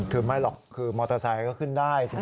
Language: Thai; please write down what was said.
คือไม่หรอกคือมอเตอร์ไซค์ก็ขึ้นได้ใช่ไหม